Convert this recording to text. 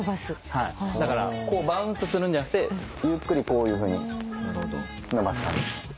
はいバウンスするんじゃなくてゆっくりこういうふうに伸ばす感じですね。